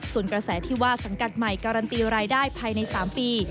ส่วนกระแสที่ว่าสังกัดใหม่การันตีรายได้ภายใน๓ปี